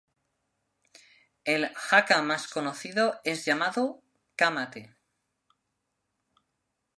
El haka más conocido es llamado, "Ka Mate".